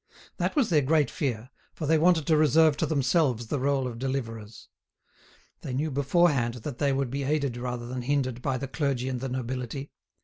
That was their great fear, for they wanted to reserve to themselves the role of deliverers. They knew beforehand that they would be aided rather than hindered by the clergy and the nobility.